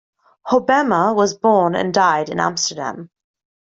Hobbema was born and died in Amsterdam.